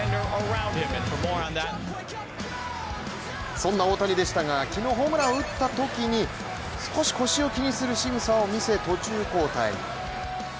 そんな大谷でしたが昨日、ホームランを打ったときに少し腰を気にするしぐさを見せ途中交代。